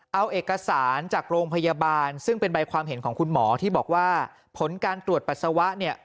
เอาเอกสารจากโรงพยาบาลซึ่งเป็นใบความเห็นของคุณหมอที่บอกว่าผลการตรวจปัสสาวะเนี่ย